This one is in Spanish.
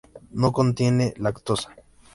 No contiene lactosa.